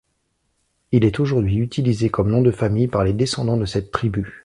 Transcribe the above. Il est aujourd'hui utilisé comme nom de famille par les descendants de cette tribu.